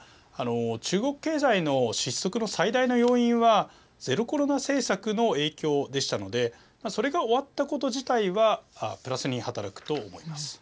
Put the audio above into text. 中国経済の失速の最大の要因はゼロコロナ政策の影響でしたのでそれが終わったこと自体はプラスに働くと思います。